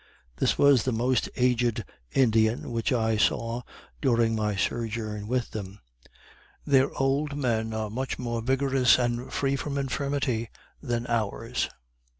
This was the most aged Indian which I saw during my sojourn with them. Their old men are much more vigorous and free from infirmity than ours.